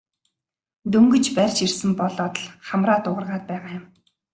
Дөнгөж барьж ирсэн болоод л хамраа дуугаргаад байгаа юм.